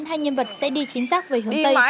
hai nhân vật sẽ đi chính xác về hướng tây